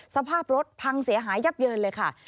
สภาพรถพังเสียหายยับเยินเลยค่ะ